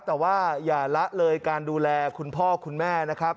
แต่ว่าอย่าละเลยการดูแลคุณพ่อคุณแม่นะครับ